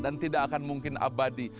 dan tidak akan mungkin abadi